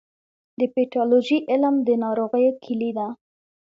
د پیتالوژي علم د ناروغیو کلي ده.